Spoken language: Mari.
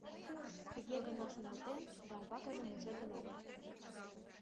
Тыге гына шоналтен да умбакыже мужедын огыл.